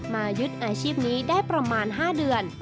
ยึดอาชีพนี้ได้ประมาณ๕เดือน